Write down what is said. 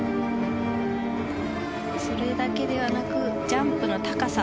それだけではなくジャンプの高さ。